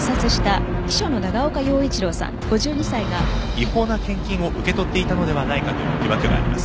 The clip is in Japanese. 違法な献金を受け取っていたのではないかという疑惑があります。